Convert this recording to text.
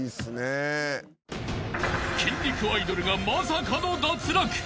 ［筋肉アイドルがまさかの脱落］